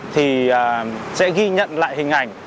thì sẽ ghi nhận lại hình ảnh